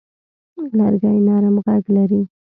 لرګی نرم غږ لري.